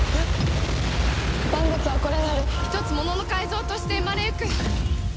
万物はこれなる一者の改造として生まれうく。